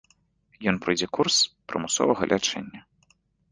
Ён пройдзе курс прымусовага лячэння.